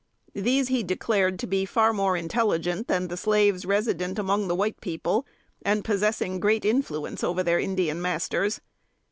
These he declared to be far more intelligent than the slaves resident among the white people, and possessing great influence over their Indian masters.